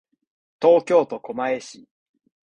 東京都狛江市